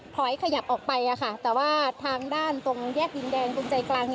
ขยับออกไปแต่ว่าทางด้านตรงแยกดินแดงตรงใจกลาง